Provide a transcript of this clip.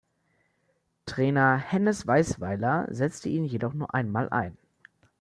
Trainer Hennes Weisweiler setzte ihn jedoch nur einmal ein.